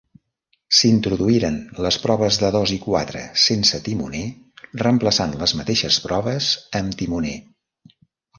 S'introduïren les proves de dos i quatre sense timoner, reemplaçant les mateixes proves amb timoner.